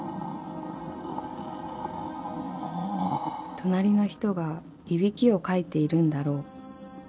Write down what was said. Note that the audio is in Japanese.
［隣の人がいびきをかいているんだろう］